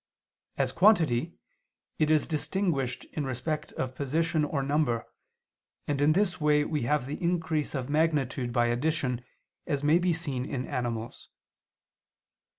As quantity, it is distinguishable in respect of position or number, and in this way we have the increase of magnitude by addition, as may be seen in animals.